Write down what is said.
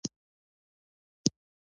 یوه نوی نیمګړی خط اختراع شو.